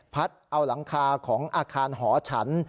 เอาหลังคาของอาคารหอฉัน